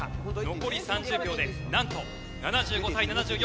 残り３０秒でなんと７５対７４。